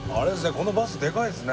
このバスでかいですね。